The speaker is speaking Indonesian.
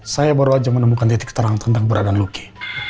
saya baru aja menemukan titik terang tentang beradaan luki